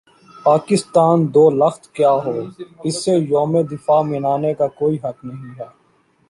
پاکستان دو لخت کیا ہو اسے یوم دفاع منانے کا کوئی حق نہیں ہے